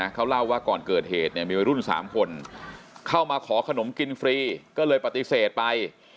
เขาเล่าว่าก่อนเกิดเหตุมีวัยรุ่น๓คนเข้ามาขอขนมกินฟรีก็เลยปฏิเสธไป